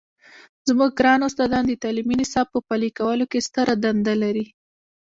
زموږ ګران استادان د تعلیمي نصاب په پلي کولو کې ستره دنده لري.